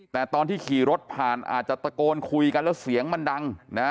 แต่ตอนที่ขี่รถผ่านอาจจะตะโกนคุยกันแล้วเสียงมันดังนะ